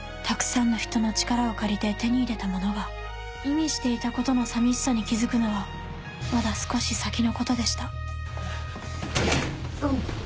たくさんの人の力を借りて手に入れたものが意味していたことの寂しさに気付くのはまだ少し先のことでしたハァうっ！